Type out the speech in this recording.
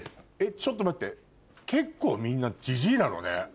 ちょっと待って結構みんなジジイなのね。